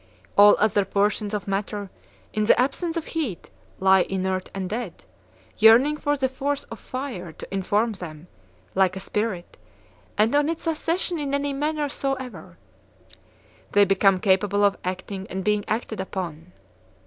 All other portions of matter, in the absence of heat, lie inert and dead, yearning for the force of fire to inform them, like a spirit, and on its accession in any manner soever, they become capable of acting and being acted upon.